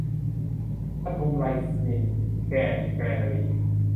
ปทุมไรซมิล แอนด์ แกรนารี